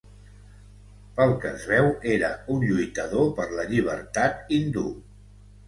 Pel que es veu, era un lluitador per la llibertat hindú.